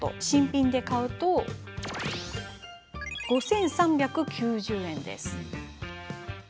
新品で買うと、５３９０円です。